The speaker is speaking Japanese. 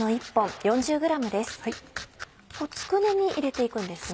つくねに入れて行くんですね。